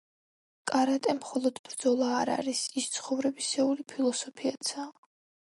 კარატე მხოლოდ ბრძოლა არ არის, ის ცხოვრებისეული ფილოსოფიაცაა.